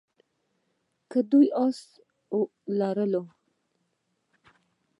که دوی آس لرلو.